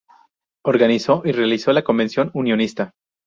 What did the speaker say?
Organizó y realizó la convención unionista.